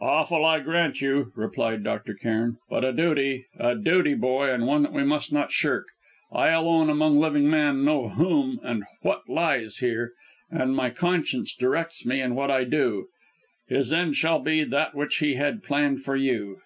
"Awful I grant you," replied Dr. Cairn, "but a duty a duty, boy, and one that we must not shirk. I, alone among living men, know whom, and what, lies there, and my conscience directs me in what I do. His end shall be that which he had planned for you.